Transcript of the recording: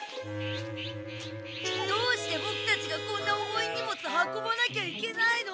どうしてボクたちがこんな重い荷物運ばなきゃいけないの。